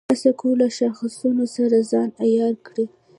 هڅه کوي له شاخصونو سره ځان عیار کړي.